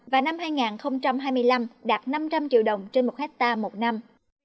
và năm hai nghìn hai mươi năm đạt năm trăm linh triệu đồng trên một hectare một năm